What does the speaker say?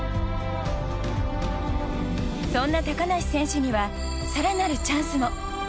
そんな高梨選手には更なるチャンスも。